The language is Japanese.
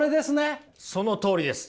そのとおりです。